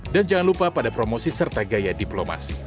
dan jangan lupa pada promosi serta gaya diplomasi